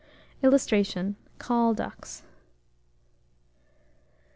[Illustration: CALL DUCKS.